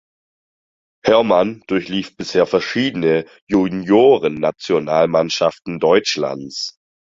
Hermann durchlief bisher verschiedene Juniorennationalmannschaften Deutschlands.